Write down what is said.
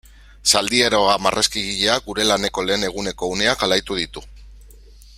Zaldieroa marrazkigileak gure laneko lehen eguneko uneak alaitu ditu.